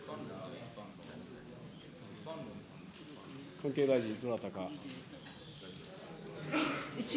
関係大臣、どなたか。